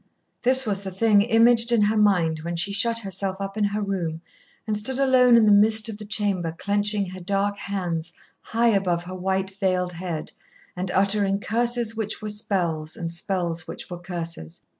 This was the thing imaged in her mind when she shut herself up in her room and stood alone in the midst of the chamber clenching her dark hands high above her white veiled head, and uttering curses which were spells, and spells which were curses.